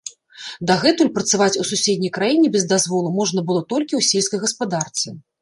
Дагэтуль працаваць у суседняй краіне без дазволу можна было толькі ў сельскай гаспадарцы.